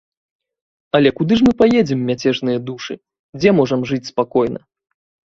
Але куды ж мы паедзем, мяцежныя душы, дзе можам жыць спакойна?